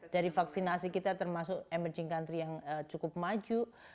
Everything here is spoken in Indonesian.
dari vaksinasi kita termasuk emerging country yang cukup maju